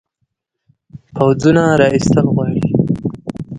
پوځونو را ایستل غواړي.